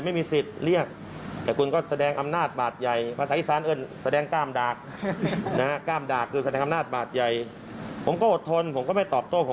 ไม่ด่วงแบบนี้ก็จะร้องไห้นะ